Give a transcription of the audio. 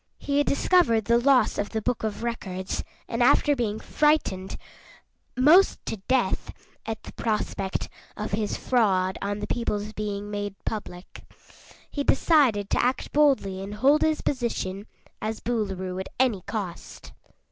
He had discovered the loss of the Book of Records and after being frightened 'most to death at the prospect of his fraud on the people's being made public, he decided to act boldly and hold his position as Boolooroo at any cost.